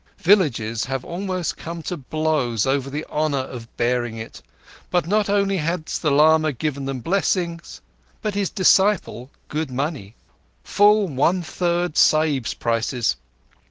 Villages have almost come to blows over the honour of bearing it, for not only has the lama given them blessings, but his disciple good money—full one third Sahibs' prices.